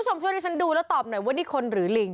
คุณผู้ชมช่วยดูแล้วตอบนี่คนหรือลิง